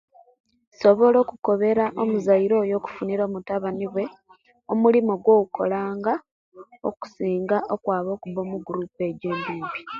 Nsobola okukobera omuzaile oyo okufunira omutabani we omulimo gwo'kolanga okusinga okwaba okuba omugurupu egyo embimbi